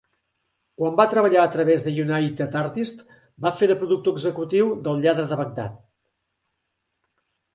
Quan va treballar a través de United Artists, va fer de productor executiu d'"El lladre de Bagdad".